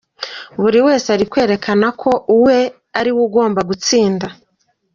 Buri wese ari kwerekana ko uwe ari we ugomba gutsinda.